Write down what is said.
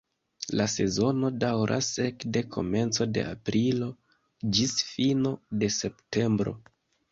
La sezono daŭras ekde komenco de aprilo ĝis fino de septembro.